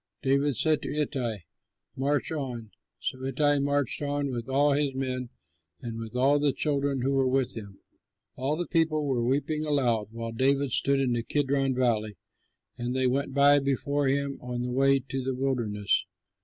David said to Ittai, "March on." So Ittai marched on with all his men and with all the children who were with him. All the people were weeping aloud while David stood in the Kidron valley, and they went by before him on the way to the wilderness.